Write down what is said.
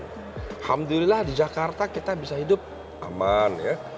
alhamdulillah di jakarta kita bisa hidup aman ya